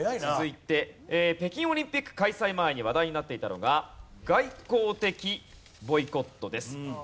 続いて北京オリンピック開催前に話題になっていたのが外交的ボイコットです。